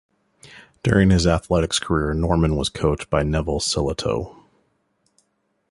During his athletics career Norman was coached by Neville Sillitoe.